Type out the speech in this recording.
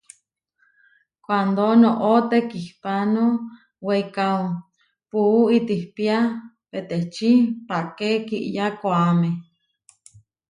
Kuándo noʼó tekihpáno weikáo, puú itihpía peteči páke kiyá koʼáme.